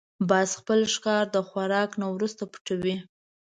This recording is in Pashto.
باز خپل ښکار د خوراک نه وروسته پټوي